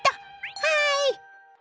はい！